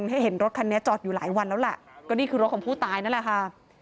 ให้เห็นรถคันนี้จอดอยู่หลายวันแล้วแหละก็นี่คือรถของผู้ตายนั่นแหละค่ะ